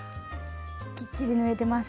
きっちり縫えてます。